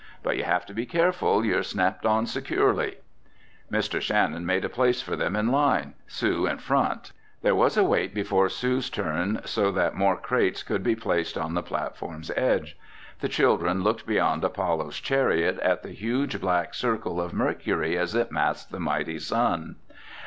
But you have to be careful you're snapped on securely." Mr. Shannon made a place for them in line. Sue in front. There was a wait before Sue's turn so that more crates could be placed on the platform's edge. The children looked beyond Apollo's Chariot at the huge black circle of Mercury as it masked the mighty sun.